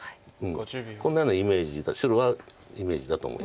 こんなようなイメージ白はイメージだと思います。